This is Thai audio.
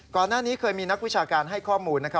ก่อนหน้านี้เคยมีนักวิชาการให้ข้อมูลนะครับ